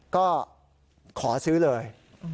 ก็ขอซื้อเลย